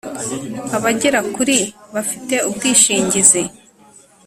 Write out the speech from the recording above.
abagera kuri bafite ubwishingizi